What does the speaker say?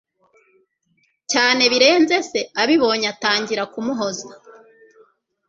cyane birenze se abibonye atangira kumuhoza